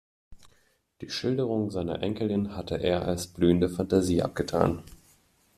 Die Schilderungen seiner Enkelin hatte er als blühende Fantasie abgetan.